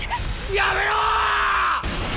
やめろ！